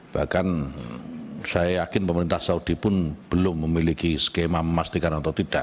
bahkan saya yakin pemerintah saudi pun belum memiliki skema memastikan atau tidak